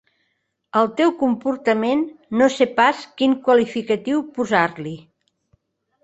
Al teu comportament no sé pas quin qualificatiu posar-li.